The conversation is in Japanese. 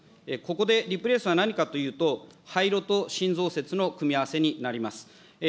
ここで、リプレースは何かというと、廃炉と新増設の組み合わせになります。